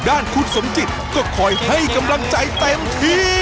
ด้านคุณสมจิตก็คอยให้กำลังใจเต็มที่